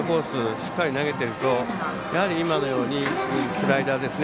しっかり投げてると今のようにスライダーですね。